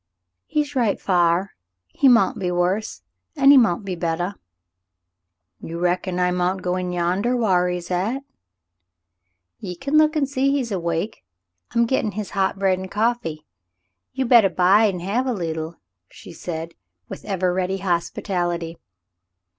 "He's right fa'r. He mount be worse an' he mount be bettah." "You reckon I mount go in yandah whar he is at ?" "Ye can look an' see is he awake. I'm gittin' his hot bread an' coffee. You bettah bide an' have a leetle," she said, with ever ready hospitality.